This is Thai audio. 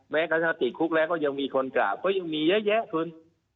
แม้กระทั่งติดคุกแล้วก็ยังมีคนกราบก็ยังมีเยอะแยะคุณ